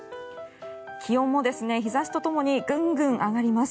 気温も日差しとともにグングン上がります。